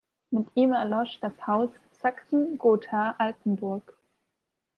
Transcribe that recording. Mit ihm erlosch das Haus Sachsen-Gotha-Altenburg.